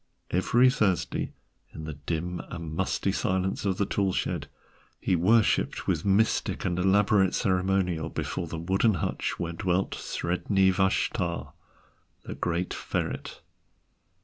Every Thursday, in the dim and musty silence of the tool shed, he worshipped with mystic and elaborate ceremonial before the wooden hutch where dwelt Sredni Vashtar, the great ferret.